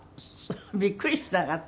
びっくりしなかった？